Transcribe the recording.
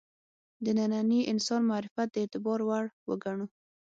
د ننني انسان معرفت د اعتبار وړ وګڼو.